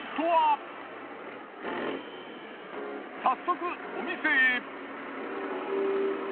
早速お店へ。